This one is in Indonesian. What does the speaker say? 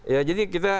ya jadi kita